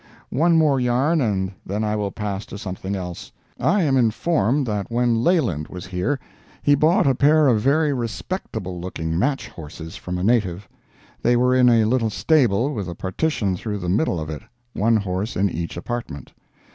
One more yarn, and then I will pass to something else. I am informed that when Leland was here he bought a pair of very respectable looking match horses from a native. They were in a little stable with a partition through the middle of it—one horse in each apartment.